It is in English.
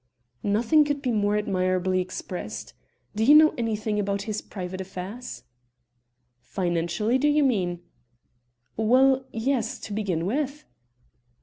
"Nothing could be more admirably expressed. Do you know anything about his private affairs?" "Financially, do you mean?" "Well, yes, to begin with."